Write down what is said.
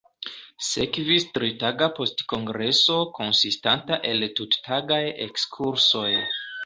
Sekvis tritaga postkongreso konsistanta el tuttagaj ekskursoj.